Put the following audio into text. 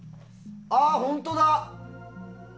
あっ、本当だ！